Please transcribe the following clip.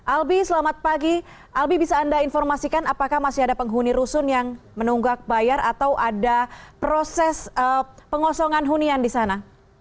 albi selamat pagi albi bisa anda informasikan apakah masih ada penghuni rusun yang menunggak bayar atau ada proses pengosongan hunian di sana